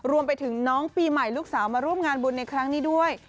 รวมไปถึงน้องปีใหม่ลูกสาวมาร่วมงานบุญในครั้งนี้ด้วย